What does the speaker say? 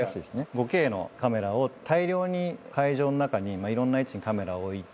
５Ｋのカメラを大量に会場の中にまぁいろんな位置にカメラを置いて。